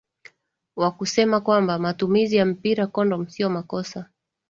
wa kusema kwamba matumizi ya mpira kondom sio makosa